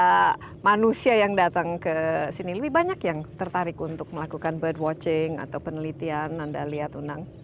untuk contohnya teman teman yang datang ke sini lebih banyak yang tertarik untuk melakukan birdwatching atau penelitian